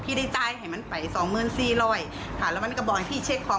ได้จ่ายให้มันไปสองหมื่นสี่ร้อยค่ะแล้วมันก็บอกให้พี่เช็คของ